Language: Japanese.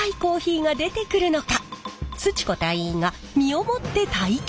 ち子隊員が身をもって体験！